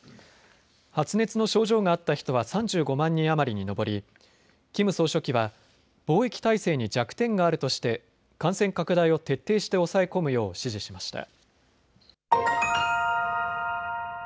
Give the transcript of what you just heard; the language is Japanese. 発熱の症状があった人は３５万人余りに上りキム総書記は防疫態勢に弱点があるとして感染拡大を徹底して抑え込むよう指示しました。